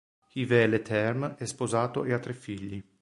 Yves Leterme è sposato e ha tre figli.